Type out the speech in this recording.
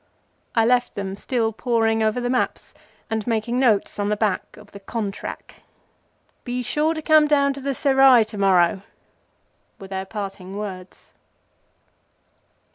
I left them still poring over the maps and making notes on the back of the "Contrack." "Be sure to come down to the Serai to morrow," were their parting words.